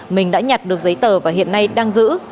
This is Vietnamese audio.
mình đã nhặt được giấy tờ và hiện nay đang giữ